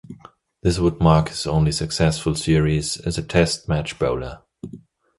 This would mark his only successful series as a Test Match bowler.